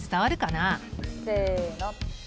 せの。